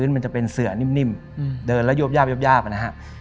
มันจะเป็นเสือนิ่มเดินแล้วโยบยาบนะฮะ